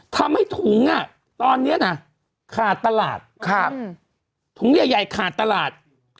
ทำให้ถุงตอนนี้นะขาดตลาดถุงใหญ่ขาดตลาด